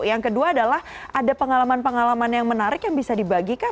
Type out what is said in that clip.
yang kedua adalah ada pengalaman pengalaman yang menarik yang bisa dibagi kah